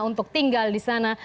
untuk tinggal di sana